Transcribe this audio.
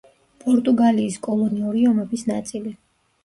პორტუგალიის კოლონიური ომების ნაწილი.